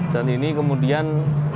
dan ini kemudian